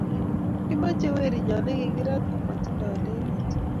kimache werinyon nekikirat komatindo lelut